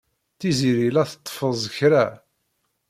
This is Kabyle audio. Tiziri la tetteffeẓ kra.